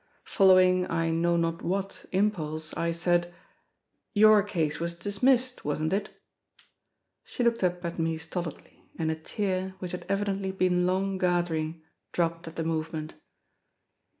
Following I know not what impulse, I said: "Your case was dismissed, wasn't it?" She looked up at me stolidly, and a tear, which had evidently been long gathering, dropped at the movement.